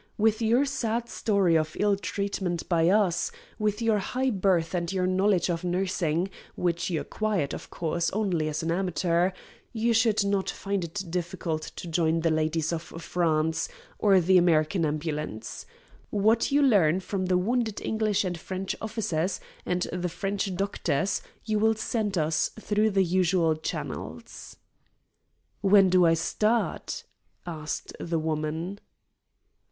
With your sad story of ill treatment by us, with your high birth, and your knowledge of nursing, which you acquired, of course, only as an amateur, you should not find it difficult to join the Ladies of France, or the American Ambulance. What you learn from the wounded English and French officers and the French doctors you will send us through the usual channels." "When do I start?" asked the woman.